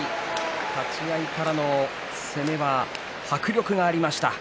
立ち合いからの攻めは迫力がありました。